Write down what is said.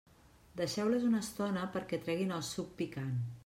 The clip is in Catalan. Deixeu-les una estona perquè treguin el suc picant.